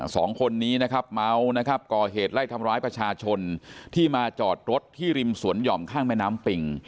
สองคนนี้นะครับเมานะครับก่อเหตุไล่ทำร้ายประชาชนที่มาจอดรถที่ริมสวนหย่อมข้างแม่น้ำปิ่ง